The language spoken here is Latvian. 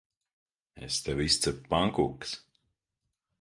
Es tev izcepu pankūkas.